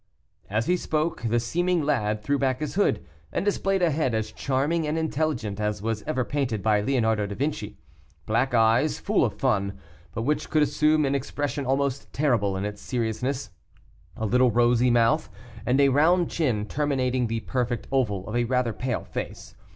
As he spoke, the seeming lad threw back his hood, and displayed a head as charming and intelligent as was ever painted by Leonardo da Vinci. Black eyes, full of fun, but which could assume an expression almost terrible in its seriousness, a little rosy month, and a round chin terminating the perfect oval of a rather pale face.